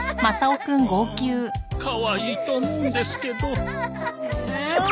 うんかわいいと思うんですけど。